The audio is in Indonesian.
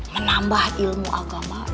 menambah ilmu aku aja ya kan